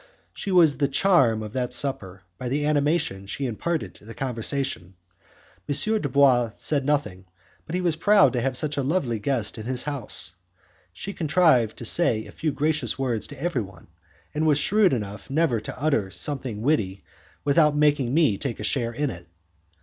She was the charm of that supper by the animation she imparted to the conversation. M. Dubois said nothing, but he was proud to have such a lovely guest in his house. She contrived to say a few gracious words to everyone, and was shrewd enough never to utter something witty without making me take a share in it.